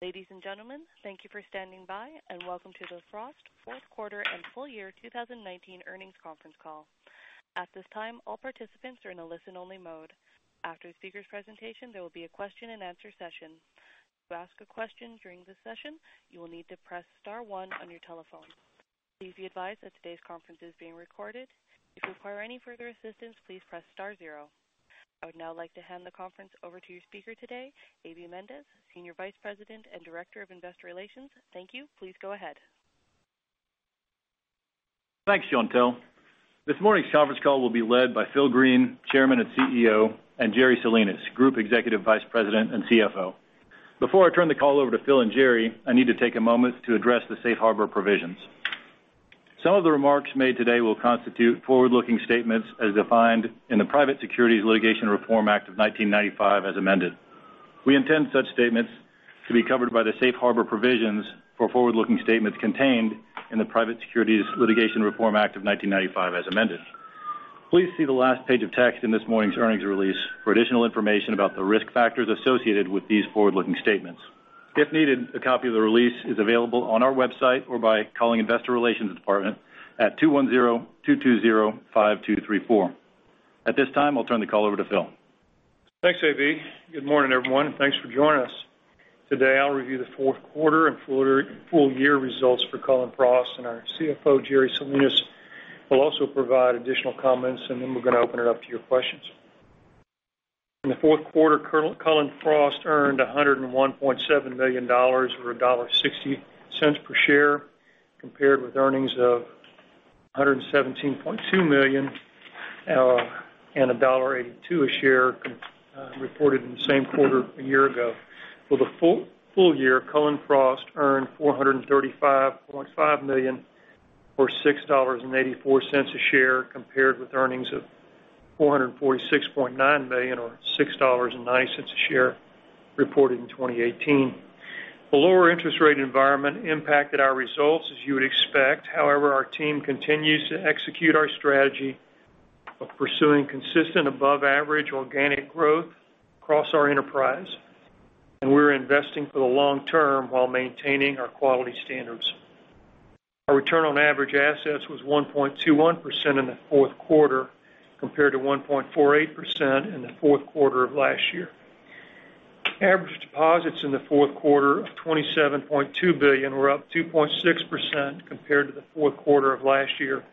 Ladies and gentlemen, thank you for standing by, and welcome to the Frost fourth quarter and full year 2019 earnings conference call. At this time, all participants are in a listen-only mode. After the speaker's presentation, there will be a question and answer session. To ask a question during this session, you will need to press star one on your telephone. Please be advised that today's conference is being recorded. If you require any further assistance, please press star zero. I would now like to hand the conference over to your speaker today, A.B. Mendez, Senior Vice President and Director of Investor Relations. Thank you. Please go ahead. Thanks, Chantelle. This morning's conference call will be led by Phil Green, Chairman and CEO, and Jerry Salinas, Group Executive Vice President and CFO. Before I turn the call over to Phil and Jerry, I need to take a moment to address the safe harbor provisions. Some of the remarks made today will constitute forward-looking statements as defined in the Private Securities Litigation Reform Act of 1995 as amended. We intend such statements to be covered by the safe harbor provisions for forward-looking statements contained in the Private Securities Litigation Reform Act of 1995 as amended. Please see the last page of text in this morning's earnings release for additional information about the risk factors associated with these forward-looking statements. If needed, a copy of the release is available on our website or by calling Investor Relations department at 210-220-5234. At this time, I'll turn the call over to Phil. Thanks, A.B. Good morning, everyone, and thanks for joining us. Today, I'll review the fourth quarter and full year results for Cullen/Frost, and our CFO, Jerry Salinas, will also provide additional comments, and then we're going to open it up to your questions. In the fourth quarter, Cullen/Frost earned $101.7 million, or $1.60/share, compared with earnings of $117.2 million and $1.82 a share reported in the same quarter a year ago. For the full year, Cullen/Frost earned $435.5 million or $6.84 a share compared with earnings of $446.9 million or $6.09 a share reported in 2018. The lower interest rate environment impacted our results, as you would expect. However, our team continues to execute our strategy of pursuing consistent above-average organic growth across our enterprise, and we're investing for the long term while maintaining our quality standards. Our return on average assets was 1.21% in the fourth quarter, compared to 1.48% in the fourth quarter of last year. Average deposits in the fourth quarter of $27.2 billion were up 2.6% compared to the fourth quarter of last year,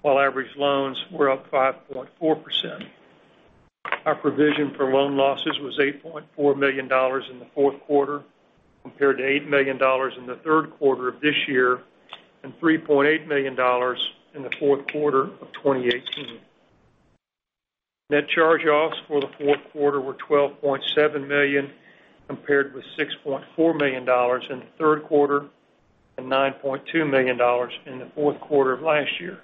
while average loans were up 5.4%. Our provision for loan losses was $8.4 million in the fourth quarter compared to $8 million in the third quarter of this year and $3.8 million in the fourth quarter of 2018. Net charge-offs for the fourth quarter were $12.7 million compared with $6.4 million in the third quarter and $9.2 million in the fourth quarter of last year.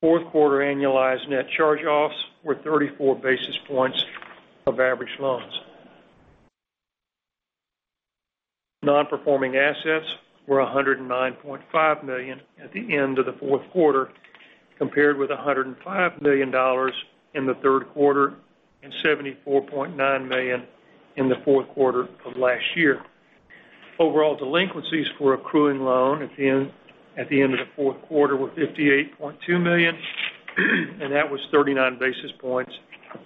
Fourth quarter annualized net charge-offs were 34 basis points of average loans. Non-performing assets were $109.5 million at the end of the fourth quarter compared with $105 million in the third quarter and $74.9 million in the fourth quarter of last year. Overall delinquencies for accruing loans at the end of the fourth quarter were $58.2 million, that was 39 basis points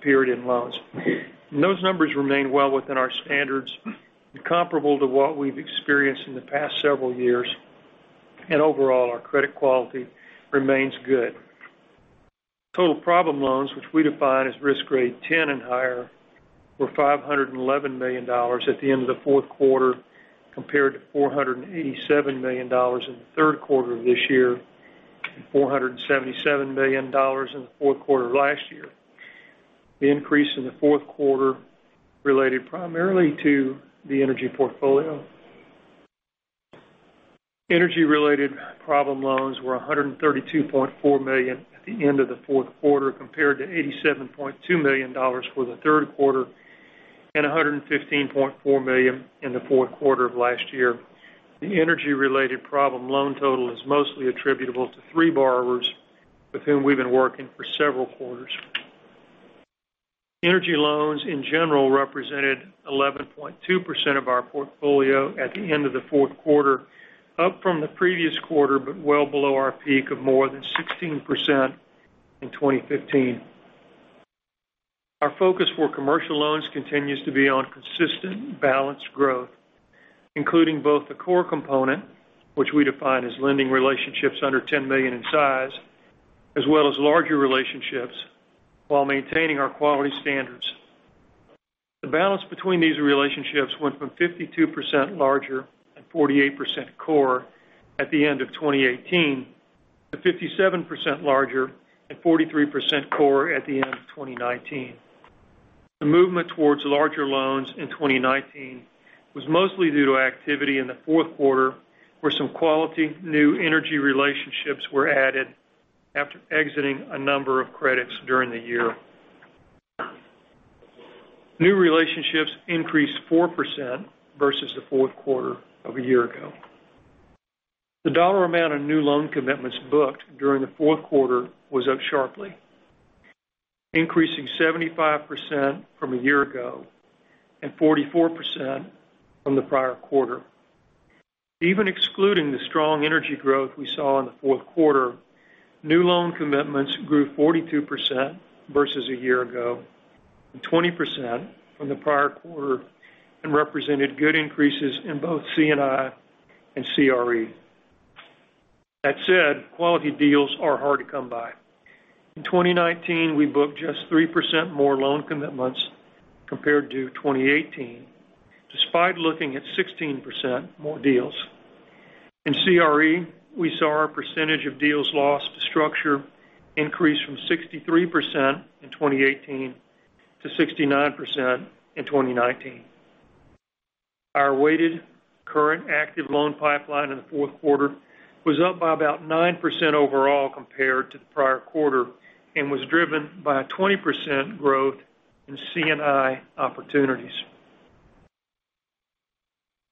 period in loans. Those numbers remain well within our standards and comparable to what we've experienced in the past several years, and overall, our credit quality remains good. Total problem loans, which we define as risk grade 10 and higher, were $511 million at the end of the fourth quarter compared to $487 million in the third quarter of this year and $477 million in the fourth quarter of last year. The increase in the fourth quarter related primarily to the energy portfolio. Energy-related problem loans were $132.4 million at the end of the fourth quarter compared to $87.2 million for the third quarter and $115.4 million in the fourth quarter of last year. The energy-related problem loan total is mostly attributable to three borrowers with whom we've been working for several quarters. Energy loans in general represented 11.2% of our portfolio at the end of the fourth quarter, up from the previous quarter, but well below our peak of more than 16% in 2015. Our focus for commercial loans continues to be on consistent balanced growth, including both the core component, which we define as lending relationships under $10 million in size, as well as larger relationships while maintaining our quality standards. The balance between these relationships went from 52% larger and 48% core at the end of 2018 to 57% larger and 43% core at the end of 2019. The movement towards larger loans in 2019 was mostly due to activity in the fourth quarter, where some quality new energy relationships were added after exiting a number of credits during the year. New relationships increased 4% versus the fourth quarter of a year ago. The dollar amount of new loan commitments booked during the fourth quarter was up sharply, increasing 75% from a year ago and 44% from the prior quarter. Even excluding the strong energy growth we saw in the fourth quarter, new loan commitments grew 42% versus a year ago and 20% from the prior quarter, and represented good increases in both C&I and CRE. That said, quality deals are hard to come by. In 2019, we booked just 3% more loan commitments compared to 2018, despite looking at 16% more deals. In CRE, we saw our percentage of deals lost to structure increase from 63% in 2018 to 69% in 2019. Our weighted current active loan pipeline in the fourth quarter was up by about 9% overall compared to the prior quarter and was driven by a 20% growth in C&I opportunities.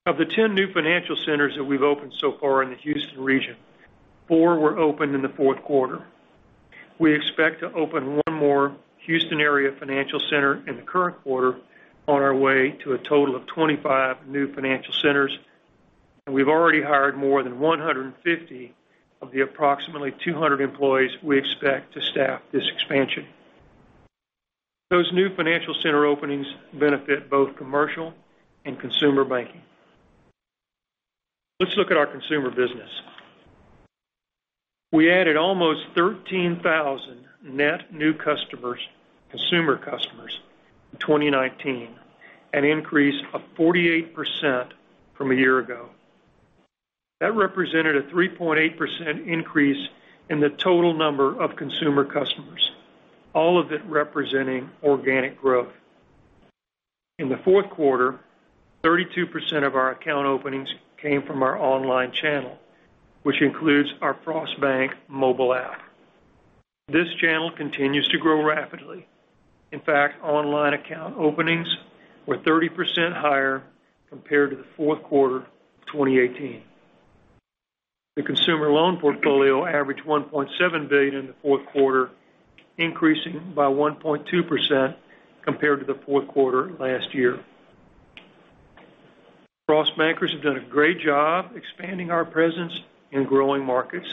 Of the 10 new financial centers that we've opened so far in the Houston region, four were opened in the fourth quarter. We expect to open one more Houston area financial center in the current quarter on our way to a total of 25 new financial centers, and we've already hired more than 150 of the approximately 200 employees we expect to staff this expansion. Those new financial center openings benefit both commercial and consumer banking. Let's look at our consumer business. We added almost 13,000 net new consumer customers in 2019, an increase of 48% from a year ago. That represented a 3.8% increase in the total number of consumer customers, all of it representing organic growth. In the fourth quarter, 32% of our account openings came from our online channel, which includes our Frost Bank mobile app. This channel continues to grow rapidly. In fact, online account openings were 30% higher compared to the fourth quarter of 2018. The consumer loan portfolio averaged $1.7 billion in the fourth quarter, increasing by 1.2% compared to the fourth quarter last year. Frost Bankers have done a great job expanding our presence in growing markets.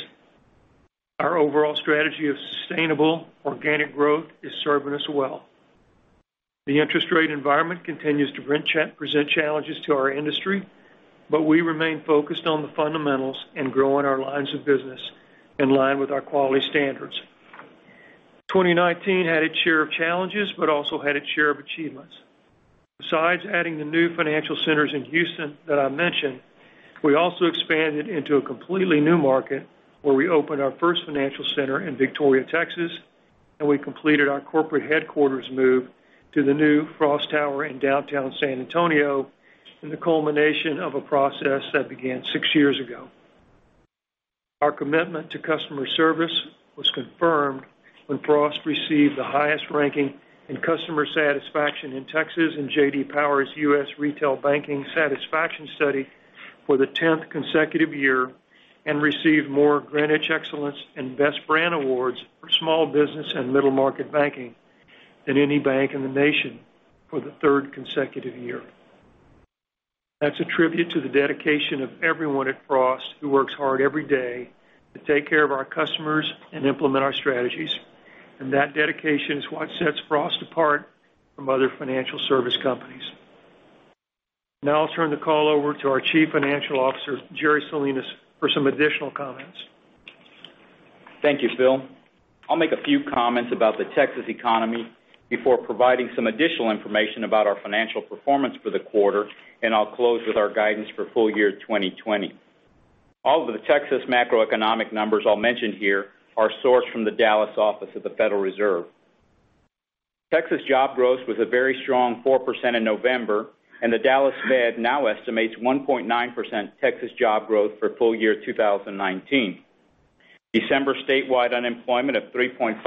Our overall strategy of sustainable organic growth is serving us well. The interest rate environment continues to present challenges to our industry, but we remain focused on the fundamentals and growing our lines of business in line with our quality standards. 2019 had its share of challenges, but also had its share of achievements. Besides adding the new financial centers in Houston that I mentioned, we also expanded into a completely new market where we opened our first financial center in Victoria, Texas, and we completed our corporate headquarters move to the new Frost Tower in downtown San Antonio in the culmination of a process that began six years ago. Our commitment to customer service was confirmed when Frost received the highest ranking in customer satisfaction in Texas in J.D. Power's U.S. Retail Banking Satisfaction Study for the 10th consecutive year and received more Greenwich Excellence and Best Brand Awards for small business and middle-market banking than any bank in the nation for the third consecutive year. That's a tribute to the dedication of everyone at Frost who works hard every day to take care of our customers and implement our strategies. That dedication is what sets Frost apart from other financial service companies. I'll turn the call over to our Chief Financial Officer, Jerry Salinas, for some additional comments. Thank you, Phil. I'll make a few comments about the Texas economy before providing some additional information about our financial performance for the quarter, and I'll close with our guidance for full year 2020. All of the Texas macroeconomic numbers I'll mention here are sourced from the Dallas office of the Federal Reserve. Texas job growth was a very strong 4% in November, and the Dallas Fed now estimates 1.9% Texas job growth for full year 2019. December statewide unemployment of 3.5%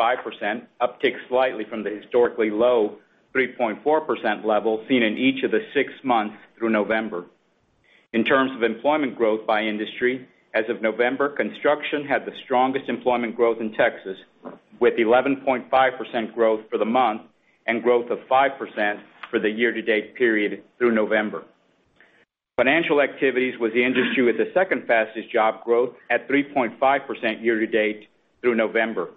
upticked slightly from the historically low 3.4% level seen in each of the six months through November. In terms of employment growth by industry, as of November, construction had the strongest employment growth in Texas, with 11.5% growth for the month and growth of 5% for the year-to-date period through November. Financial activities was the industry with the second fastest job growth at 3.5% year-to-date through November.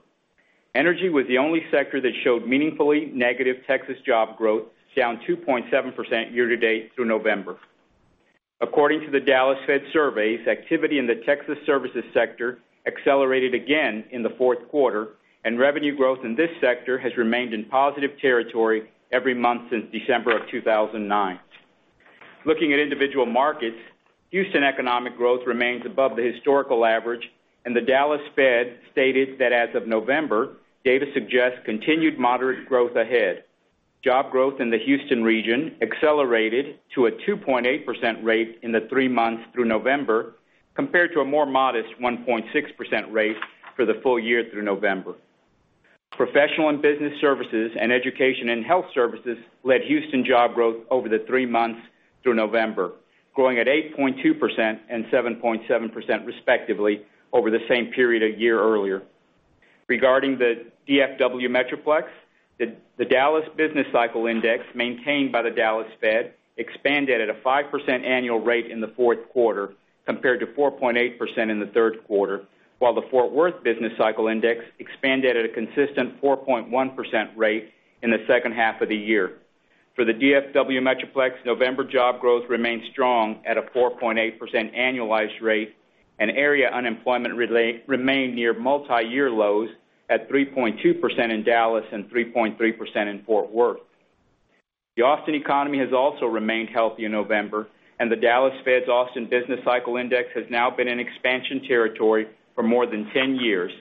Energy was the only sector that showed meaningfully negative Texas job growth, down 2.7% year-to-date through November. According to the Dallas Fed surveys, activity in the Texas services sector accelerated again in the fourth quarter, and revenue growth in this sector has remained in positive territory every month since December of 2009. Looking at individual markets, Houston economic growth remains above the historical average, and the Dallas Fed stated that as of November, data suggests continued moderate growth ahead. Job growth in the Houston region accelerated to a 2.8% rate in the three months through November, compared to a more modest 1.6% rate for the full year through November. Professional and business services and education and health services led Houston job growth over the three months through November, growing at 8.2% and 7.7%, respectively, over the same period a year earlier. Regarding the DFW Metroplex, the Dallas Business-Cycle Index, maintained by the Dallas Fed, expanded at a 5% annual rate in the fourth quarter, compared to 4.8% in the third quarter, while the Fort Worth Business-Cycle Index expanded at a consistent 4.1% rate in the second half of the year. For the DFW Metroplex, November job growth remained strong at a 4.8% annualized rate, and area unemployment remained near multi-year lows at 3.2% in Dallas and 3.3% in Fort Worth. The Austin economy has also remained healthy in November, and the Dallas Fed's Austin Business-Cycle Index has now been in expansion territory for more than 10 years,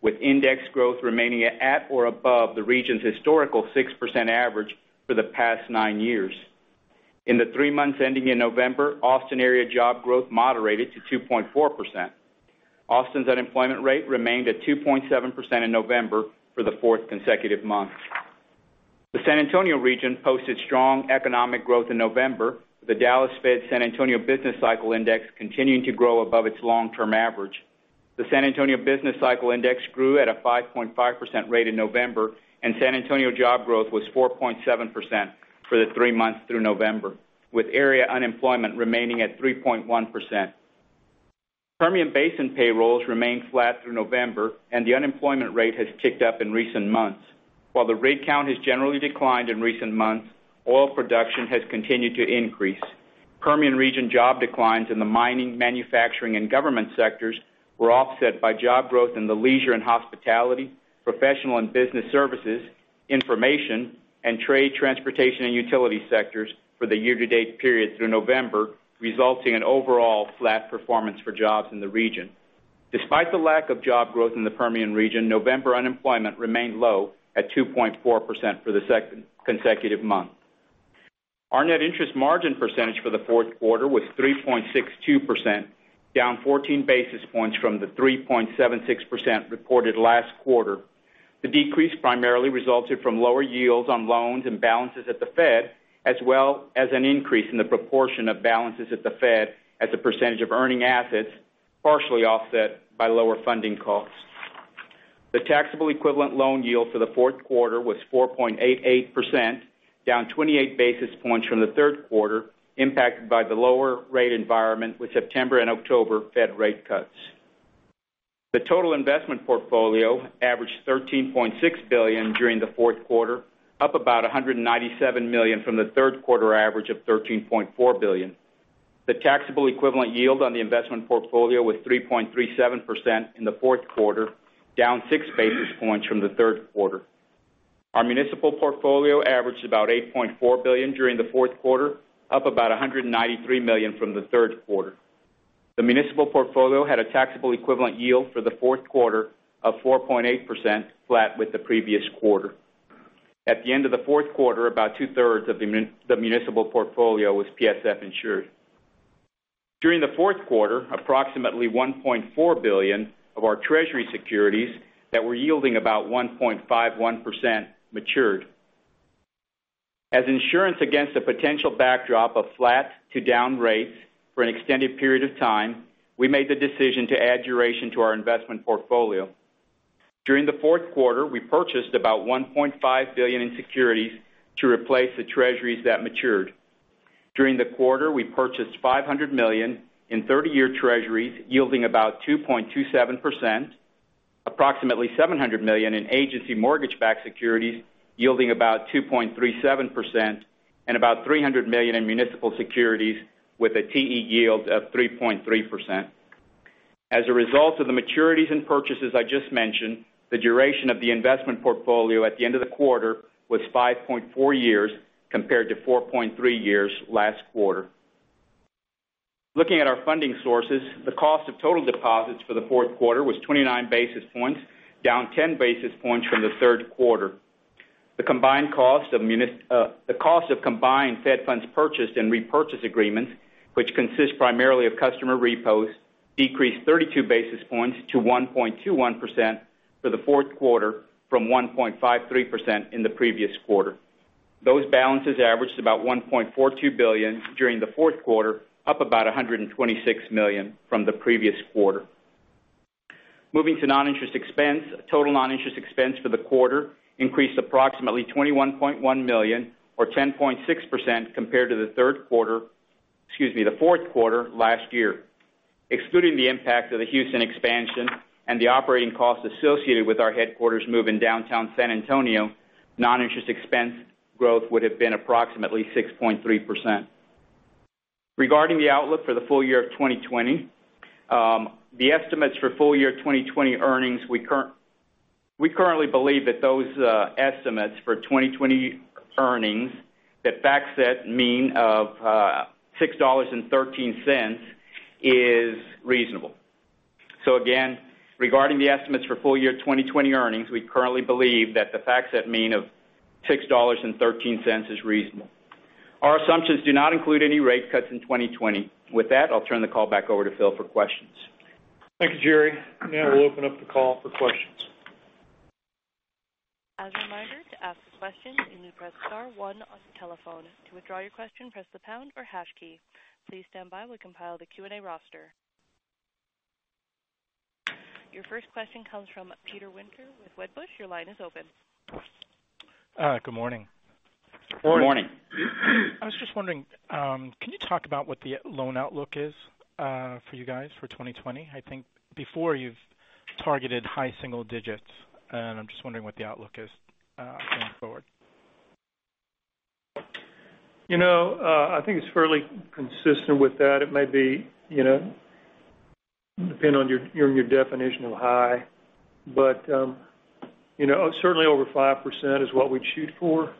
with index growth remaining at or above the region's historical 6% average for the past nine years. In the three months ending in November, Austin area job growth moderated to 2.4%. Austin's unemployment rate remained at 2.7% in November for the fourth consecutive month. The San Antonio region posted strong economic growth in November, with the Dallas Fed San Antonio Business-Cycle Index continuing to grow above its long-term average. The San Antonio Business-Cycle Index grew at a 5.5% rate in November, and San Antonio job growth was 4.7% for the three months through November, with area unemployment remaining at 3.1%. Permian Basin payrolls remained flat through November, and the unemployment rate has ticked up in recent months. While the rig count has generally declined in recent months, oil production has continued to increase. Permian region job declines in the mining, manufacturing, and government sectors were offset by job growth in the leisure and hospitality, professional and business services, information, and trade, transportation, and utility sectors for the year-to-date period through November, resulting in overall flat performance for jobs in the region. Despite the lack of job growth in the Permian region, November unemployment remained low at 2.4% for the second consecutive month. Our net interest margin percentage for the fourth quarter was 3.62%, down 14 basis points from the 3.76% reported last quarter. The decrease primarily resulted from lower yields on loans and balances at the Fed, as well as an increase in the proportion of balances at the Fed as a percentage of earning assets, partially offset by lower funding costs. The taxable equivalent loan yield for the fourth quarter was 4.88%, down 28 basis points from the third quarter, impacted by the lower rate environment with September and October Fed rate cuts. The total investment portfolio averaged $13.6 billion during the fourth quarter, up about $197 million from the third quarter average of $13.4 billion. The taxable equivalent yield on the investment portfolio was 3.37% in the fourth quarter, down 6 basis points from the third quarter. Our municipal portfolio averaged about $8.4 billion during the fourth quarter, up about $193 million from the third quarter. The municipal portfolio had a taxable equivalent yield for the fourth quarter of 4.8%, flat with the previous quarter. At the end of the fourth quarter, about 2/3 of the municipal portfolio was PSF insured. During the fourth quarter, approximately $1.4 billion of our Treasury securities that were yielding about 1.51% matured. As insurance against a potential backdrop of flat-to-down rates for an extended period of time, we made the decision to add duration to our investment portfolio. During the fourth quarter, we purchased about $1.5 billion in securities to replace the Treasuries that matured. During the quarter, we purchased $500 million in 30-year Treasuries yielding about 2.27%, approximately $700 million in agency mortgage-backed securities yielding about 2.37%, and about $300 million in municipal securities with a TE yield of 3.3%. As a result of the maturities and purchases I just mentioned, the duration of the investment portfolio at the end of the quarter was 5.4 years, compared to 4.3 years last quarter. Looking at our funding sources, the cost of total deposits for the fourth quarter was 29 basis points, down 10 basis points from the third quarter. The cost of combined Fed funds purchased and repurchase agreements, which consist primarily of customer repos, decreased 32 basis points to 1.21% for the fourth quarter from 1.53% in the previous quarter. Those balances averaged about $1.42 billion during the fourth quarter, up about $126 million from the previous quarter. Moving to non-interest expense, total non-interest expense for the quarter increased approximately $21.1 million or 10.6% compared to the fourth quarter last year. Excluding the impact of the Houston expansion and the operating costs associated with our headquarters move in downtown San Antonio, non-interest expense growth would have been approximately 6.3%. Regarding the outlook for the full year of 2020, the estimates for full-year 2020 earnings, we currently believe that those estimates for 2020 earnings, that FactSet mean of $6.13, is reasonable. Again, regarding the estimates for full-year 2020 earnings, we currently believe that the FactSet mean of $6.13 is reasonable. Our assumptions do not include any rate cuts in 2020. With that, I'll turn the call back over to Phil for questions. Thank you, Jerry. Now we'll open up the call for questions. As a reminder, to ask a question, you need to press star one on the telephone. To withdraw your question, press the pound or hash key. Please stand by, we'll compile the Q&A roster. Your first question comes from Peter Winter with Wedbush. Your line is open. Good morning. Good morning. Morning. I was just wondering, can you talk about what the loan outlook is for you guys for 2020? I think before you've targeted high single digits, and I'm just wondering what the outlook is going forward. I think it's fairly consistent with that. It may depend on your definition of high, but certainly over 5% is what we'd shoot for.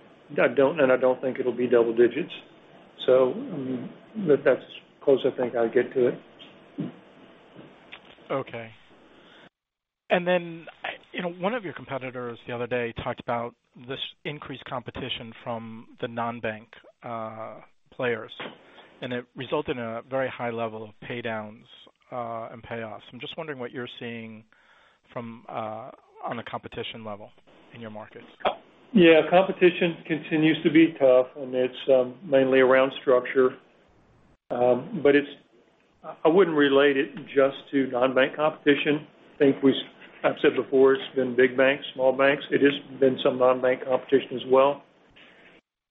I don't think it'll be double digits, so that's as close I think I'll get to it. Okay. Then, one of your competitors the other day talked about this increased competition from the non-bank players, and it resulted in a very high level of pay downs and payoffs. I'm just wondering what you're seeing on a competition level in your markets. Yeah, competition continues to be tough, and it's mainly around structure. I wouldn't relate it just to non-bank competition. I think I've said before, it's been big banks, small banks. It has been some non-bank competition as well.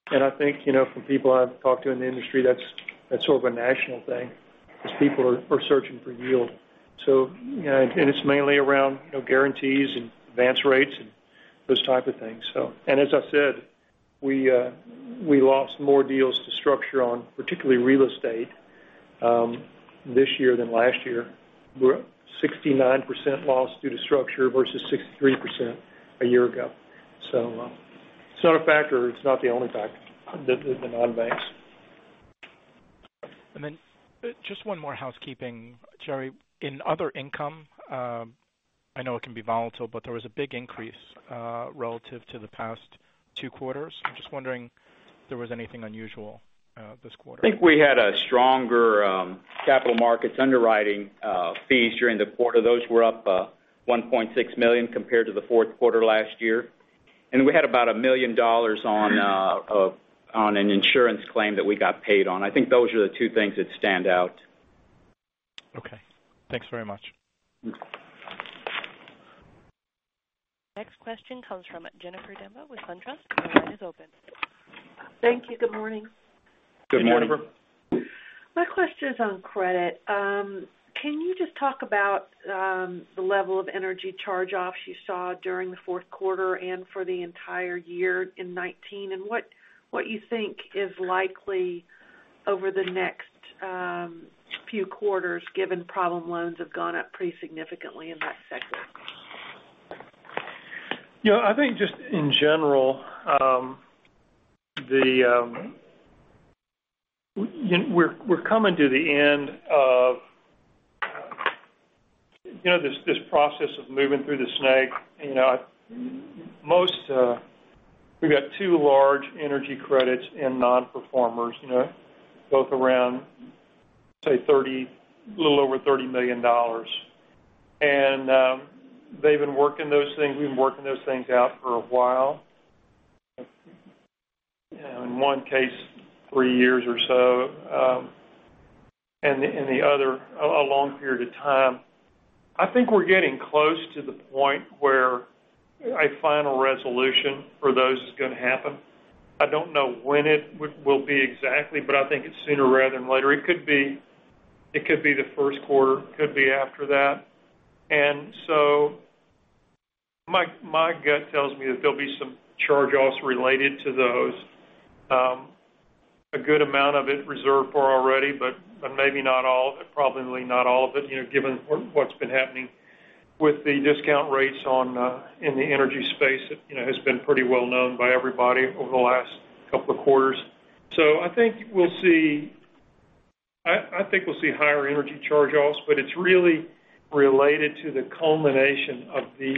I think, from people I've talked to in the industry, that's sort of a national thing, because people are searching for yield. It's mainly around guarantees and advance rates and those type of things. As I said, we lost more deals to structure on particularly real estate, this year than last year. We're at 69% loss due to structure versus 63% a year ago. It's not a factor. It's not the only factor, the non-banks. Just one more housekeeping, Jerry. In other income, I know it can be volatile, but there was a big increase relative to the past two quarters. I'm just wondering if there was anything unusual this quarter. I think we had stronger capital markets underwriting fees during the quarter. Those were up $1.6 million compared to the fourth quarter last year. And we had about $1 million on an insurance claim that we got paid on. I think those are the two things that stand out. Okay. Thanks very much. Next question comes from Jennifer Demba with SunTrust. Your line is open. Thank you. Good morning. Good morning. Good morning. My question's on credit. Can you just talk about the level of energy charge-offs you saw during the fourth quarter and for the entire year in 2019, and what you think is likely over the next few quarters, given problem loans have gone up pretty significantly in that sector? I think just in general, we're coming to the end of this process of moving through the snag. We've got two large energy credits and non-performers, both around, say, little over $30 million. We've been working those things out for a while. In one case, three years or so, and the other, a long period of time. I think we're getting close to the point where a final resolution for those is going to happen. I don't know when it will be exactly, but I think it's sooner rather than later. It could be the first quarter, could be after that. My gut tells me that there'll be some charge-offs related to those. A good amount of it reserved for already, but maybe not all, probably not all of it, given what's been happening with the discount rates in the energy space that has been pretty well known by everybody over the last couple of quarters. I think we'll see higher energy charge-offs, but it's really related to the culmination of these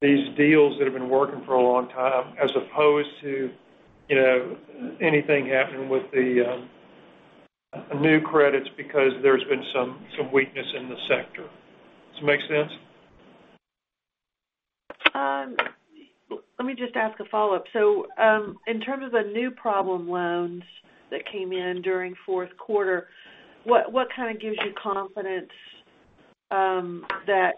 deals that have been working for a long time, as opposed to anything happening with the new credits because there's been some weakness in the sector. Does it make sense? Let me just ask a follow-up. In terms of the new problem loans that came in during fourth quarter, what kind of gives you confidence that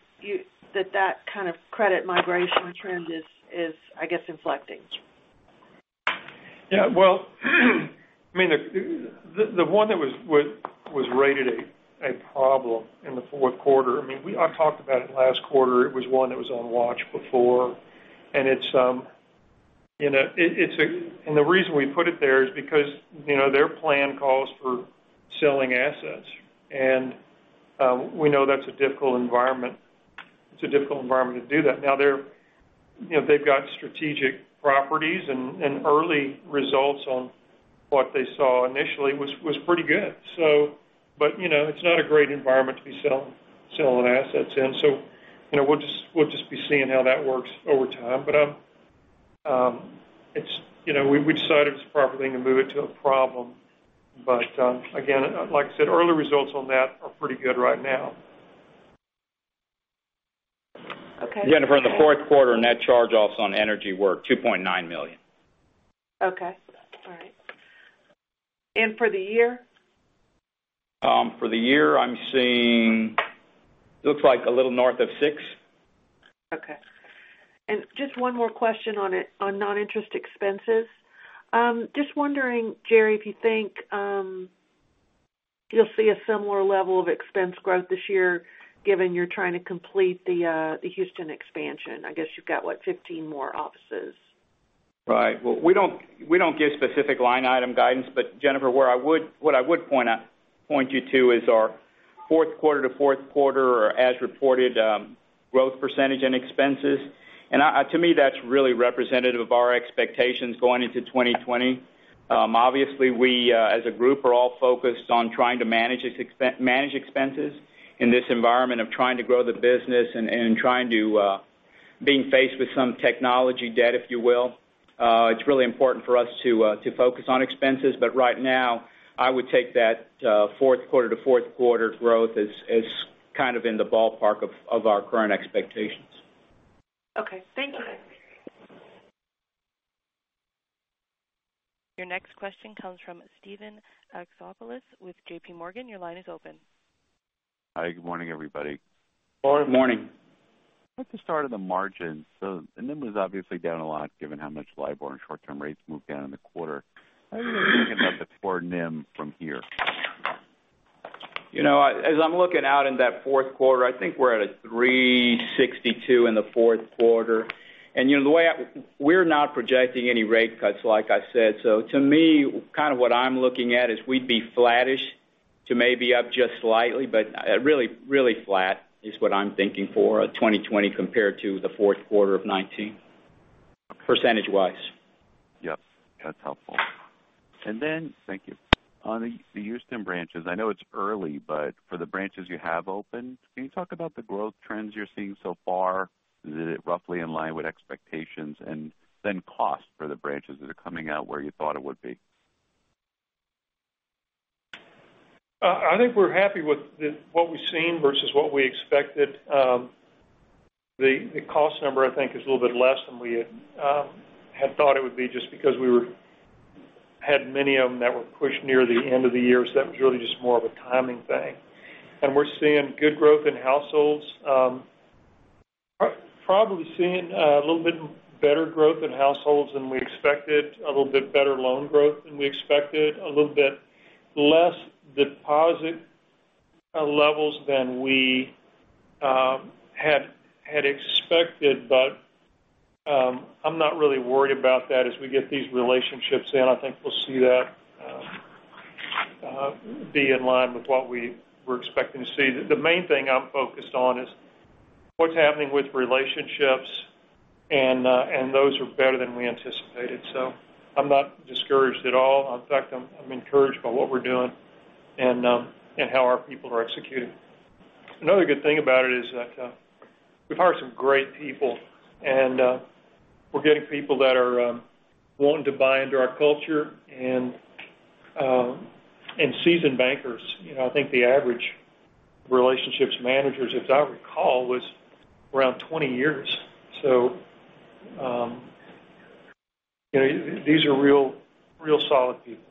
that kind of credit migration trend is, I guess, inflecting? Yeah. Well, the one that was rated a problem in the fourth quarter, I talked about it last quarter. It was one that was on watch before. The reason we put it there is because their plan calls for selling assets. We know that's a difficult environment to do that. Now, they've got strategic properties, and early results on what they saw initially was pretty good. It's not a great environment to be selling assets in. We'll just be seeing how that works over time. We decided it was the proper thing to move it to a problem. Again, like I said, early results on that are pretty good right now. Okay. Jennifer, in the fourth quarter, net charge-offs on energy were $2.9 million. Okay. All right. For the year? For the year, I'm seeing, looks like a little north of $6 million. Okay. Just one more question on non-interest expenses. Just wondering, Jerry, if you think you'll see a similar level of expense growth this year given you're trying to complete the Houston expansion. I guess you've got, what, 15 more offices. Right. Well, we don't give specific line item guidance, Jennifer, what I would point you to is our fourth quarter to fourth quarter as-reported growth percentage and expenses. To me, that's really representative of our expectations going into 2020. Obviously, we as a group, are all focused on trying to manage expenses in this environment of trying to grow the business and being faced with some technology debt, if you will. It's really important for us to focus on expenses. Right now, I would take that fourth quarter to fourth quarter growth as kind of in the ballpark of our current expectations. Okay. Thank you. Your next question comes from Steven Alexopoulos with JPMorgan. Your line is open. Hi, good morning, everybody. Morning. Morning. Let's just start on the margins. The NIM was obviously down a lot given how much LIBOR and short-term rates moved down in the quarter. How are you thinking about the core NIM from here? As I'm looking out in that fourth quarter, I think we're at a 3.62% in the fourth quarter. We're not projecting any rate cuts, like I said. To me, kind of what I'm looking at is we'd be flattish to maybe up just slightly, but really, really flat is what I'm thinking for 2020 compared to the fourth quarter of 2019, percentage wise. Yep. That's helpful. Then, thank you. On the Houston branches, I know it's early, but for the branches you have opened, can you talk about the growth trends you're seeing so far? Is it roughly in line with expectations? Then cost for the branches that are coming out where you thought it would be? I think we're happy with what we've seen versus what we expected. The cost number, I think, is a little bit less than we had thought it would be just because we had many of them that were pushed near the end of the year. That was really just more of a timing thing. We're seeing good growth in households. Probably seeing a little bit better growth in households than we expected, a little bit better loan growth than we expected, a little bit less deposit levels than we had expected. I'm not really worried about that. As we get these relationships in, I think we'll see that be in line with what we were expecting to see. The main thing I'm focused on is what's happening with relationships, and those are better than we anticipated. I'm not discouraged at all. In fact, I'm encouraged by what we're doing and how our people are executing. Another good thing about it is that we've hired some great people, and we're getting people that are willing to buy into our culture and seasoned bankers. I think the average relationships managers, as I recall, was around 20 years. These are real solid people.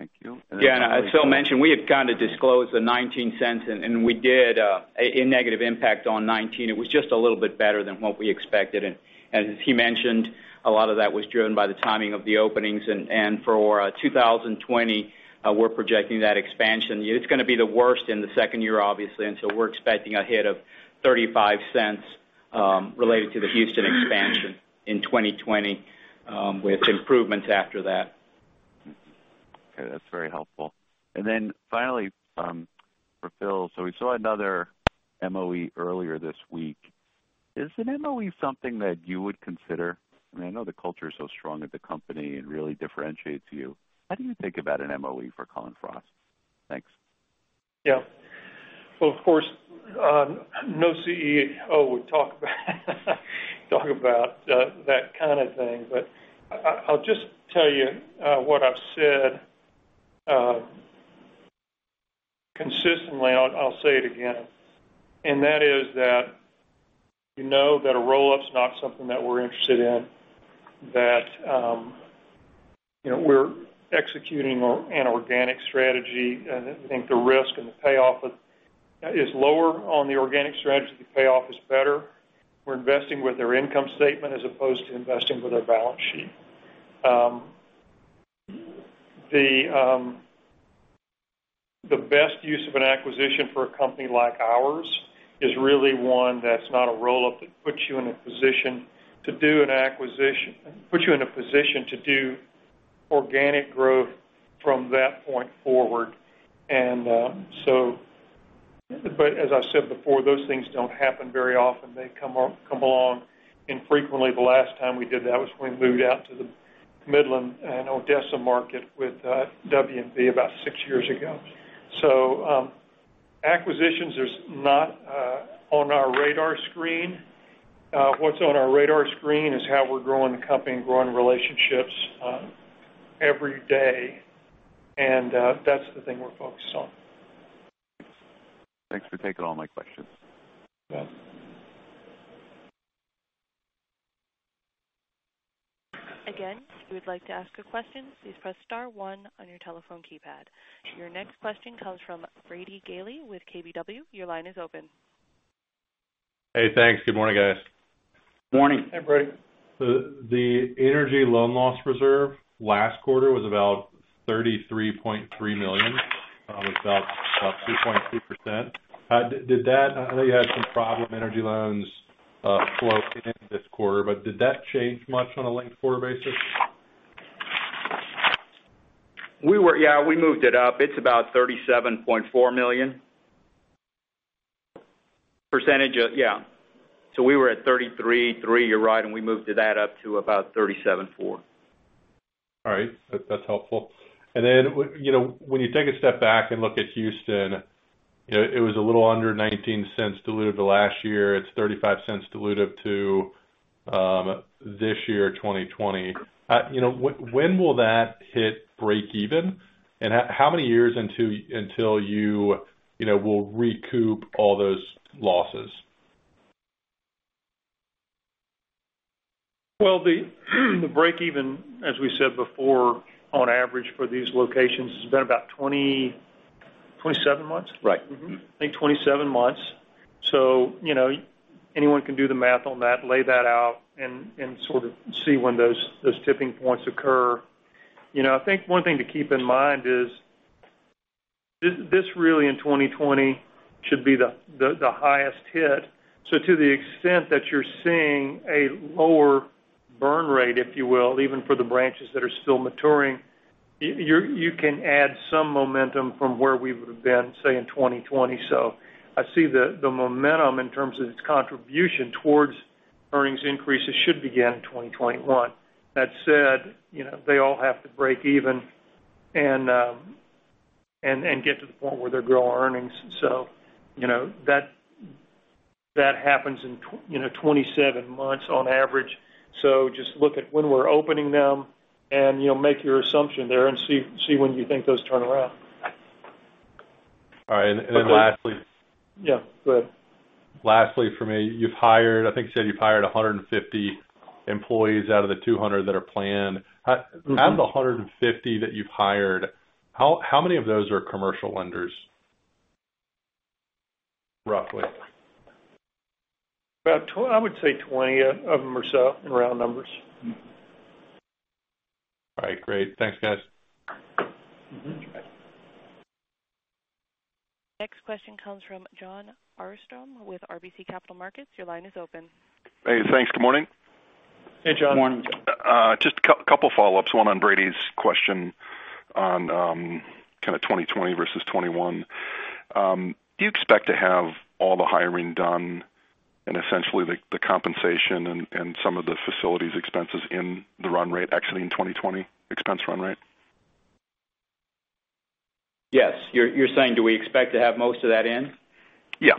Thank you. As Phil mentioned, we had kind of disclosed the $0.19, and we did a negative impact on 2019. It was just a little bit better than what we expected, and as he mentioned, a lot of that was driven by the timing of the openings. For 2020, we're projecting that expansion. It's going to be the worst in the second year, obviously. So we're expecting a hit of $0.35 related to the Houston expansion in 2020 with improvements after that. Okay. That's very helpful. Finally, for Phil, we saw another MOE earlier this week. Is an MOE something that you would consider? I know the culture is so strong at the company and really differentiates you. How do you think about an MOE for Cullen/Frost? Thanks. Yeah. Well, of course, no CEO would talk about that kind of thing, but I'll just tell you what I've said consistently, and I'll say it again. That is that you know that a roll-up's not something that we're interested in, that we're executing an organic strategy, and I think the risk and the payoff is lower on the organic strategy. The payoff is better. We're investing with their income statement as opposed to investing with their balance sheet. The best use of an acquisition for a company like ours is really one that's not a roll-up, that puts you in a position to do organic growth from that point forward. As I said before, those things don't happen very often. They come along infrequently. The last time we did that was when we moved out to the Midland and Odessa market with WNB about six years ago. Acquisitions is not on our radar screen. What's on our radar screen is how we're growing the company and growing relationships every day, and that's the thing we're focused on. Thanks for taking all my questions. You bet. Again, if you would like to ask a question, please press star one on your telephone keypad. Your next question comes from Brady Gailey with KBW. Your line is open. Hey, thanks. Good morning, guys. Morning. Hey, Brady. The energy loan loss reserve last quarter was about $33.3 million, it's about 2.3%. I know you had some problem energy loans flow in this quarter, but did that change much on a linked quarter basis? Yeah, we moved it up. It's about $37.4 million. Yeah. We were at $33.3 million, you're right, and we moved that up to about $37.4 million. All right. That's helpful. Then, when you take a step back and look at Houston, it was a little under $0.19 dilutive to last year. It's $0.35 dilutive to this year, 2020. When will that hit breakeven? How many years until you will recoup all those losses? Well, the breakeven, as we said before, on average for these locations has been about 27 months. Right. Mm-hmm. I think 27 months. Anyone can do the math on that, lay that out, and sort of see when those tipping points occur. I think one thing to keep in mind is, this really in 2020 should be the highest hit. To the extent that you're seeing a lower burn rate, if you will, even for the branches that are still maturing, you can add some momentum from where we would've been, say, in 2020. I see the momentum in terms of its contribution towards earnings increases should begin in 2021. That said, they all have to break even and get to the point where they're growing earnings. That happens in 27 months on average. Just look at when we're opening them and make your assumption there and see when you think those turn around. All right. Then lastly- Yeah, go ahead. Lastly for me, you've hired, I think you said you've hired 150 employees out of the 200 that are planned. Out of the 150 that you've hired, how many of those are commercial lenders, roughly? About, I would say 20 of them or so, in round numbers. All right, great. Thanks, guys. You bet. Next question comes from Jon Arfstrom with RBC Capital Markets. Your line is open. Hey, thanks. Good morning. Hey, Jon. Morning. Just a couple follow-ups, one on Brady's question on kind of 2020 versus 2021. Do you expect to have all the hiring done and essentially the compensation and some of the facilities expenses in the run rate exiting 2020 expense run rate? Yes. You're saying do we expect to have most of that in? Yeah.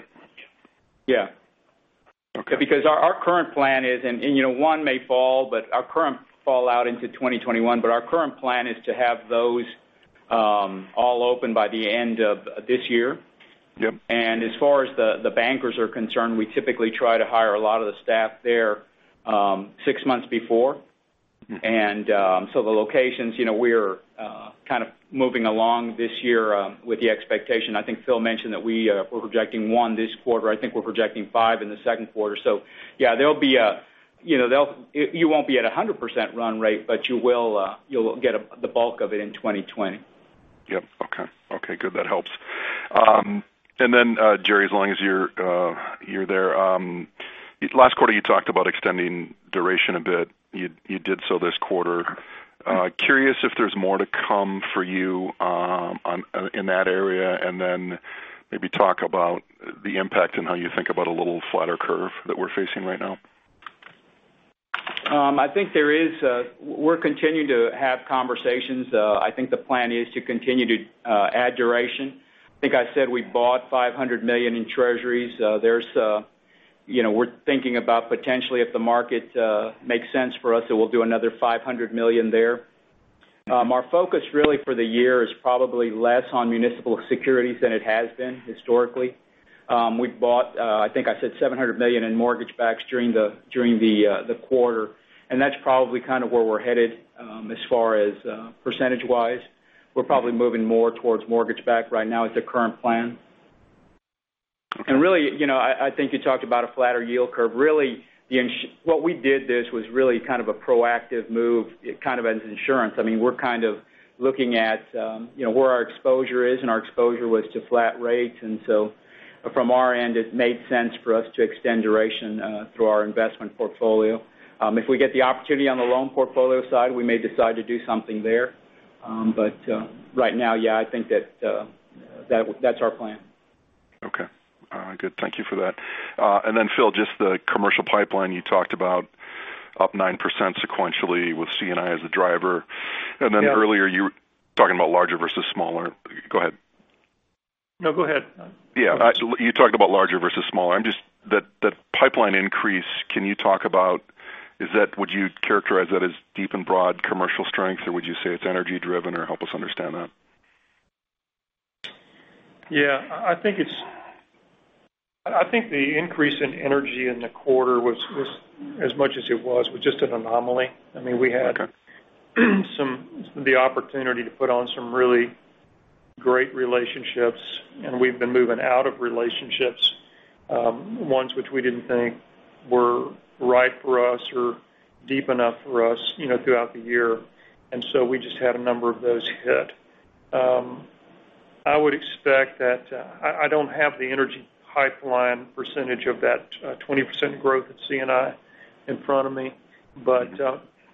Yeah. Okay. Our current plan is, and one may fall out into 2021, but our current plan is to have those all open by the end of this year. Yep. As far as the bankers are concerned, we typically try to hire a lot of the staff there six months before. The locations, we're kind of moving along this year with the expectation. I think Phil mentioned that we're projecting one this quarter. I think we're projecting five in the second quarter. Yeah, you won't be at 100% run rate, but you'll get the bulk of it in 2020. Yep. Okay. Okay, good. That helps. Jerry, as long as you're there. Last quarter, you talked about extending duration a bit. You did so this quarter. Curious if there's more to come for you in that area, and then maybe talk about the impact and how you think about a little flatter curve that we're facing right now. I think we're continuing to have conversations. I think the plan is to continue to add duration. I think I said we bought $500 million in treasuries. We're thinking about potentially if the market makes sense for us, we'll do another $500 million there. Our focus really for the year is probably less on municipal securities than it has been historically. We've bought, I think I said $700 million in mortgage backs during the quarter, that's probably kind of where we're headed as far as percentage-wise. We're probably moving more towards mortgage-backed right now as the current plan. Really, I think you talked about a flatter yield curve. Really, what we did this was really kind of a proactive move kind of as insurance. I mean, we're kind of looking at where our exposure is and our exposure was to flat rates. From our end, it made sense for us to extend duration through our investment portfolio. If we get the opportunity on the loan portfolio side, we may decide to do something there. Right now, yeah, I think that's our plan. Okay. Good. Thank you for that. Phil, just the commercial pipeline you talked about up 9% sequentially with C&I as a driver. Yeah. Earlier you were talking about larger versus smaller. Go ahead. No, go ahead. Yeah. You talked about larger versus smaller. That pipeline increase, can you talk about, would you characterize that as deep and broad commercial strength, or would you say it's energy driven or help us understand that? Yeah. I think the increase in energy in the quarter as much as it was just an anomaly. Okay. We had the opportunity to put on some really great relationships, and we've been moving out of relationships, ones which we didn't think were right for us or deep enough for us throughout the year. We just had a number of those hit. I don't have the energy pipeline percentage of that 20% growth at C&I in front of me, but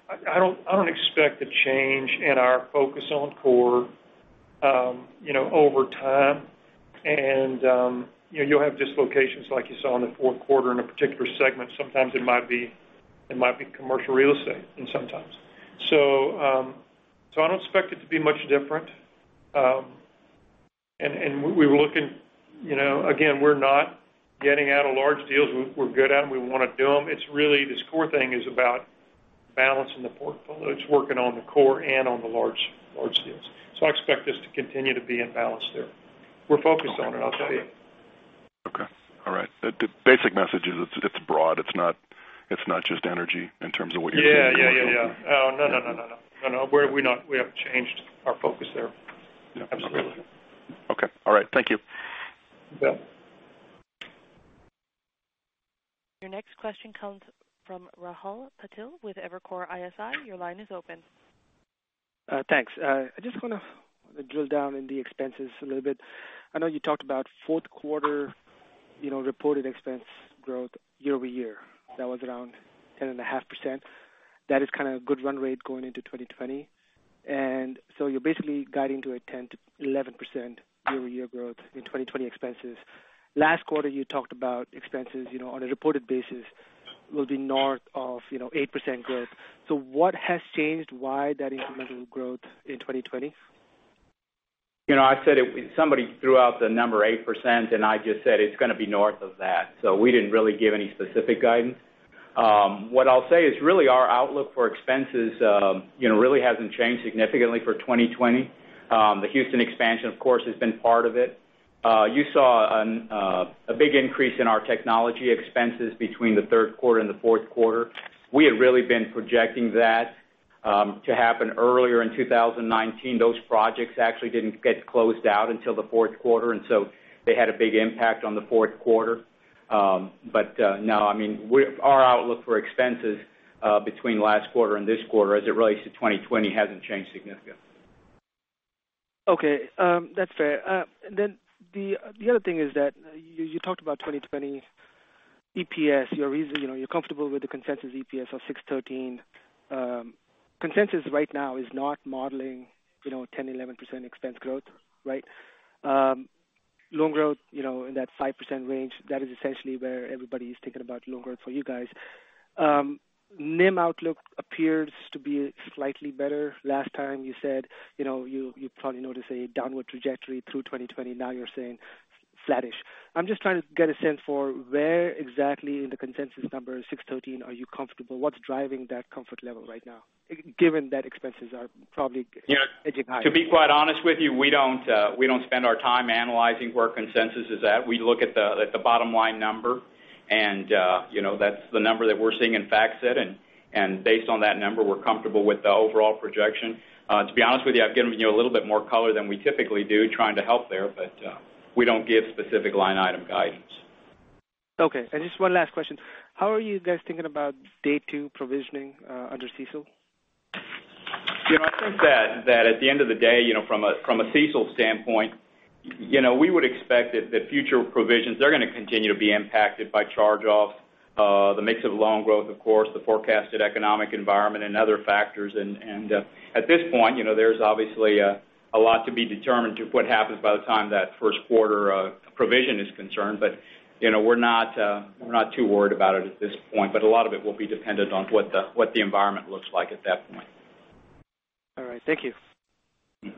I don't expect a change in our focus on core, over time. You'll have dislocations like you saw in the fourth quarter in a particular segment. Sometimes it might be commercial real estate. I don't expect it to be much different. We were looking, again, we're not getting out of large deals. We're good at them. We want to do them. It's really this core thing is about balancing the portfolio. It's working on the core and on the large deals. I expect this to continue to be in balance there. We're focused on it, I'll tell you. Okay. All right. The basic message is it's broad. It's not just energy in terms of what you're- Yeah. No. We haven't changed our focus there. Yeah. Absolutely. Okay. All right. Thank you. You bet. Your next question comes from Rahul Patil with Evercore ISI. Your line is open. Thanks. I just want to drill down in the expenses a little bit. I know you talked about fourth quarter reported expense growth year-over-year. That was around 10.5%. That is kind of good run rate going into 2020. You're basically guiding to a 10%-11% year-over-year growth in 2020 expenses. Last quarter you talked about expenses, on a reported basis will be north of 8% growth. What has changed? Why that incremental growth in 2020? Somebody threw out the number 8% and I just said it's going to be north of that. We didn't really give any specific guidance. What I'll say is really our outlook for expenses really hasn't changed significantly for 2020. The Houston expansion, of course, has been part of it. You saw a big increase in our technology expenses between the third quarter and the fourth quarter. We had really been projecting that to happen earlier in 2019. Those projects actually didn't get closed out until the fourth quarter, they had a big impact on the fourth quarter. No, our outlook for expenses between last quarter and this quarter as it relates to 2020 hasn't changed significantly. Okay. That's fair. The other thing is that you talked about 2020 EPS. You're comfortable with the consensus EPS of $6.13. Consensus right now is not modeling 10%, 11% expense growth, right? Loan growth, in that 5% range. That is essentially where everybody is thinking about loan growth for you guys. NIM outlook appears to be slightly better. Last time you said, you probably notice a downward trajectory through 2020. Now you're saying flattish. I'm just trying to get a sense for where exactly in the consensus number $6.13, are you comfortable? What's driving that comfort level right now, given that expenses are probably edging higher? To be quite honest with you, we don't spend our time analyzing where consensus is at. We look at the bottom line number, and that's the number that we're seeing in FactSet, and based on that number, we're comfortable with the overall projection. To be honest with you, I've given you a little bit more color than we typically do trying to help there, but we don't give specific line item guidance. Okay. Just one last question. How are you guys thinking about Day 2 provisioning under CECL? I think that at the end of the day, from a CECL standpoint, we would expect that the future provisions are going to continue to be impacted by charge-offs, the mix of loan growth, of course, the forecasted economic environment and other factors. At this point, there's obviously a lot to be determined to what happens by the time that first quarter provision is concerned. We're not too worried about it at this point, but a lot of it will be dependent on what the environment looks like at that point. All right. Thank you. Your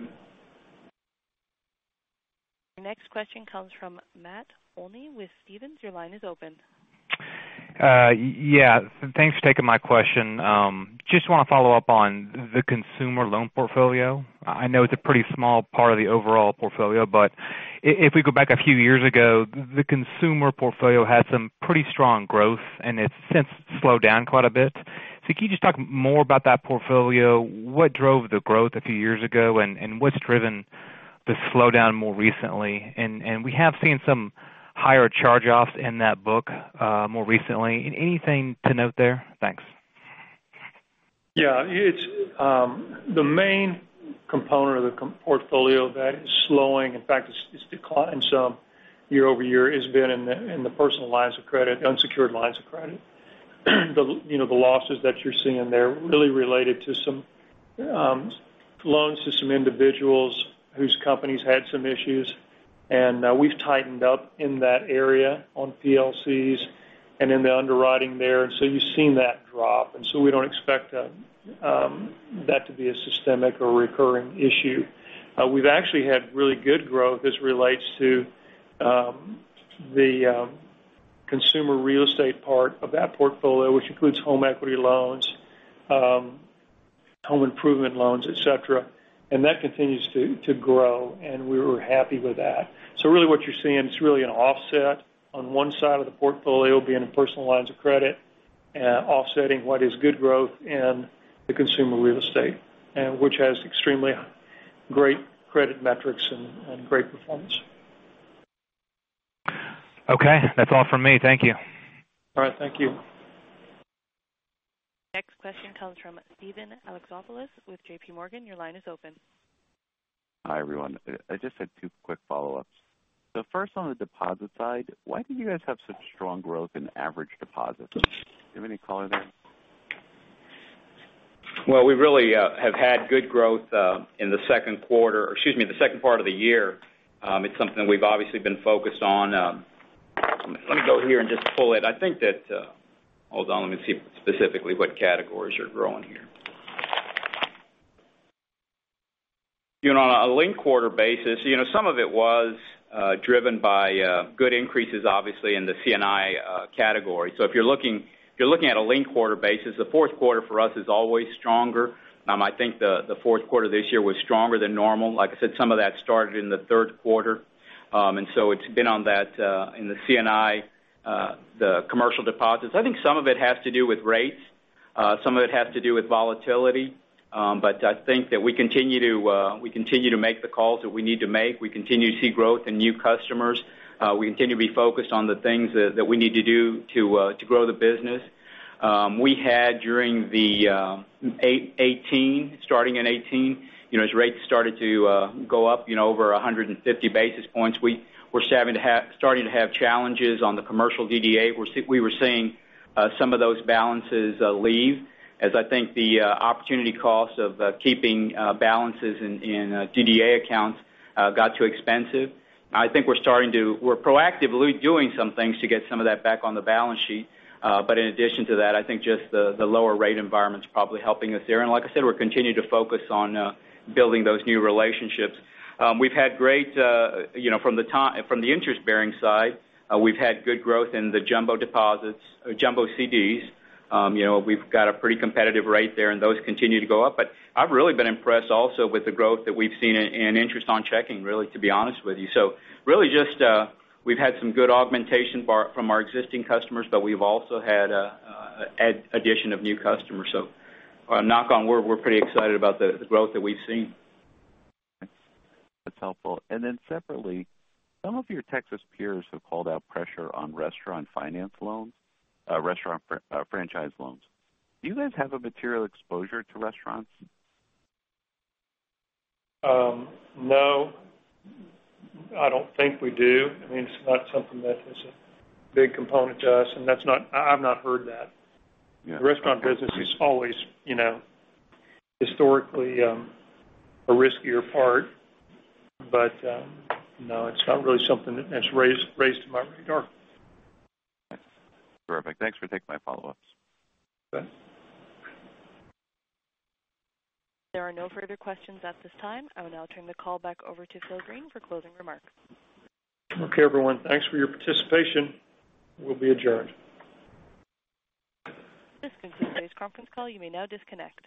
next question comes from Matt Olney with Stephens. Your line is open. Yeah. Thanks for taking my question. Just want to follow up on the consumer loan portfolio. I know it's a pretty small part of the overall portfolio, but if we go back a few years ago, the consumer portfolio had some pretty strong growth, and it's since slowed down quite a bit. Can you just talk more about that portfolio? What drove the growth a few years ago, and what's driven the slowdown more recently? We have seen some higher charge-offs in that book more recently. Anything to note there? Thanks. Yeah. The main component of the portfolio that is slowing, in fact, it's declined some year-over-year, has been in the personal lines of credit, unsecured lines of credit. The losses that you're seeing there really related to some loans to some individuals whose companies had some issues, and now we've tightened up in that area on PLCs and in the underwriting there. You've seen that drop. We don't expect that to be a systemic or recurring issue. We've actually had really good growth as it relates to the consumer real estate part of that portfolio, which includes home equity loans, home improvement loans, et cetera, and that continues to grow, and we're happy with that. Really what you're seeing is really an offset on one side of the portfolio, being in personal lines of credit, offsetting what is good growth in the consumer real estate, which has extremely great credit metrics and great performance. Okay, that's all from me. Thank you. All right. Thank you. Next question comes from Steven Alexopoulos with JPMorgan. Your line is open. Hi, everyone. I just had two quick follow-ups. First on the deposit side, why do you guys have such strong growth in average deposits? Do you have any color there? Well, we really have had good growth in the second part of the year. It's something we've obviously been focused on. Let me go here and just pull it. Hold on, let me see specifically what categories are growing here. On a linked-quarter basis, some of it was driven by good increases, obviously, in the C&I category. If you're looking at a linked-quarter basis, the fourth quarter for us is always stronger. I think the fourth quarter this year was stronger than normal. Like I said, some of that started in the third quarter. It's been on that in the C&I, the commercial deposits. I think some of it has to do with rates. Some of it has to do with volatility. I think that we continue to make the calls that we need to make. We continue to see growth in new customers. We continue to be focused on the things that we need to do to grow the business. We had during the 2018, starting in 2018, as rates started to go up over 150 basis points, we were starting to have challenges on the commercial DDA. We were seeing some of those balances leave as I think the opportunity cost of keeping balances in DDA accounts got too expensive. I think we're proactively doing some things to get some of that back on the balance sheet. In addition to that, I think just the lower rate environment is probably helping us there. Like I said, we're continuing to focus on building those new relationships. From the interest-bearing side, we've had good growth in the jumbo deposits, jumbo CDs. We've got a pretty competitive rate there, and those continue to go up. I've really been impressed also with the growth that we've seen in interest on checking, really, to be honest with you. Really just, we've had some good augmentation from our existing customers, but we've also had addition of new customers. Knock on wood, we're pretty excited about the growth that we've seen. That's helpful. Separately, some of your Texas peers have called out pressure on restaurant franchise loans. Do you guys have a material exposure to restaurants? No, I don't think we do. It's not something that is a big component to us, and I've not heard that. Yeah. The restaurant business is always historically a riskier part. No, it's not really something that's raised to my regard. Perfect. Thanks for taking my follow-ups. Okay. There are no further questions at this time. I will now turn the call back over to Phil Green for closing remarks. Okay, everyone. Thanks for your participation. We'll be adjourned. This concludes today's conference call. You may now disconnect.